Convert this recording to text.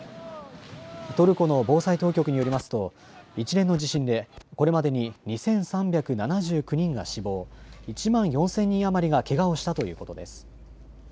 トルコの防災当局によりますと一連の地震でこれまでに２３７９人が死亡、１万４０００人余りがけがをしたということです。